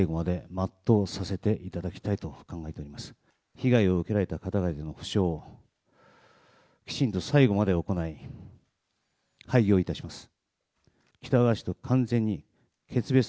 被害を受けられた方々への補償をきちんと最後まで行い、廃業いたします。